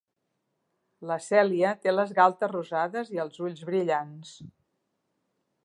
La Cèlia té les galtes rosades i els ulls brillants.